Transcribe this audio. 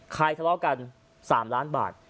ทะเลาะกัน๓ล้านบาท